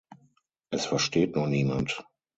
Es versteht nur niemand.